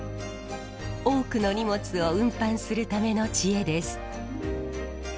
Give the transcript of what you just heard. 多くの荷物を運搬するための知恵です。